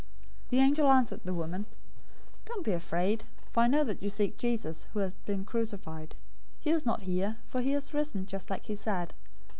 028:005 The angel answered the women, "Don't be afraid, for I know that you seek Jesus, who has been crucified. 028:006 He is not here, for he has risen, just like he said.